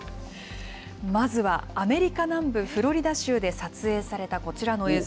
まずはアメリカ南部フロリダ州で撮影されたこちらの映像。